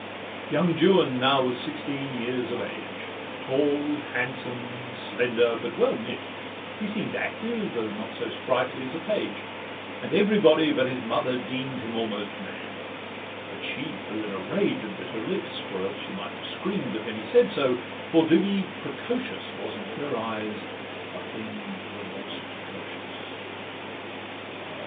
Young Juan now was sixteen years of age, Tall, handsome, slender, but well knit: he seem'd Active, though not so sprightly, as a page; And everybody but his mother deem'd Him almost man; but she flew in a rage And bit her lips (for else she might have scream'd) If any said so, for to be precocious Was in her eyes a thing the most atrocious.